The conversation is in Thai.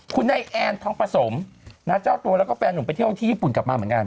คุณนายแอนทองประสมเจ้าตัวแล้วก็แฟนหนุ่มไปเที่ยวที่ญี่ปุ่นกลับมาเหมือนกัน